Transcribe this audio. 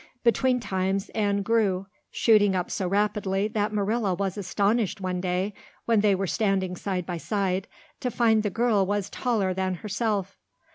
Between times Anne grew, shooting up so rapidly that Marilla was astonished one day, when they were standing side by side, to find the girl was taller than herself.